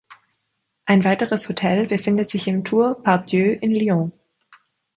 Ein weiteres Hotel befindet sich im Tour Part-Dieu in Lyon.